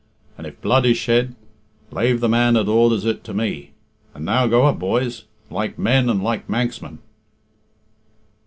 And if blood is shed, lave the man that orders it to me. And now go up, boys, like men and like Manxmen."